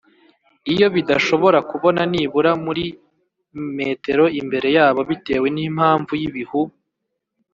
iyo bidashobora kubona nibura muri m imbere yabo bitewe n’impamvu y’ibihu